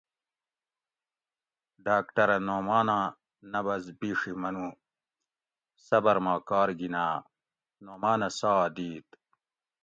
"ڈاکٹرہ نعماناں نبض بِیڛی منو ""صبر ما کار گِھناۤ نعمانہ ساہ دِیت"""